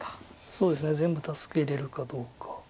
そうですね全部助けれるかどうか。